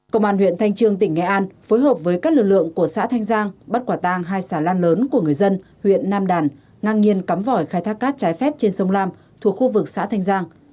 công an huyện thanh trương tỉnh nghệ an phối hợp với các lực lượng của xã thanh giang bắt quả tang hai xà lan lớn của người dân huyện nam đàn ngang nhiên cắm vỏ khai thác cát trái phép trên sông lam thuộc khu vực xã thanh giang